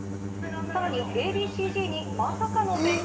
さらにＡ．Ｂ．ＣーＺにまさかの展開？